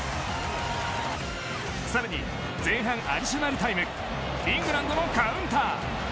さらに前半アディショナルタイムイングランドのカウンター。